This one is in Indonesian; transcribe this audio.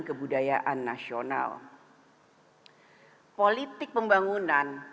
kebudayaan nasional politik pembangunan